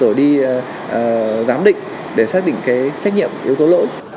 rồi đi giám định để xác định cái trách nhiệm yếu tố lỗi